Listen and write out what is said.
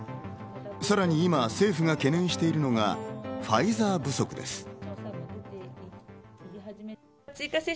さらに今、政府が懸念しているのがファイザー不足です。